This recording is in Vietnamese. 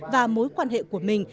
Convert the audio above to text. và mối quan hệ của mình